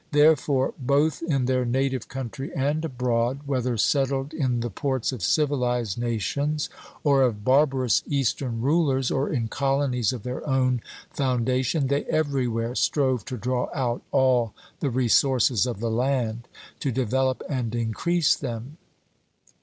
Therefore both in their native country and abroad, whether settled in the ports of civilized nations, or of barbarous eastern rulers, or in colonies of their own foundation, they everywhere strove to draw out all the resources of the land, to develop and increase them.